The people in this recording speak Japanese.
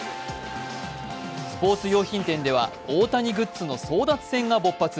スポーツ用品店では大谷グッズの争奪戦が勃発。